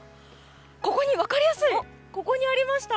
分かりやすいここにありました！